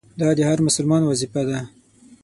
دا د هر مسلمان وظیفه ده.